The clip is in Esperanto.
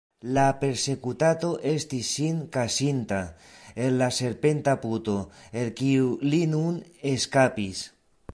La persekutato estis sin kaŝinta en la serpenta puto, el kiu li nun eskapis.